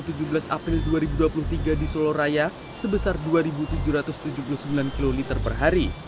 konsumsi bbm di seluruh raya sebesar dua ribu tujuh ratus tujuh puluh sembilan kl per hari